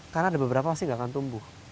karena ada beberapa pasti nggak akan tumbuh